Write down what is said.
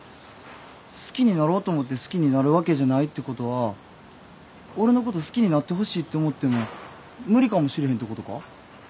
好きになろうと思って好きになるわけじゃないってことは俺のこと好きになってほしいって思っても無理かもしれへんってことか？